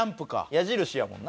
矢印やもんな。